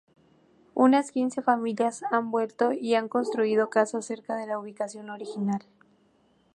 Unas quince familias han vuelto y han construido casas cerca de la ubicación original.